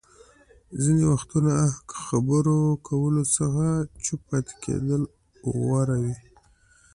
ځينې وختونه اه خبرو کولو څخه چوپ پاتې کېدل غوره وي.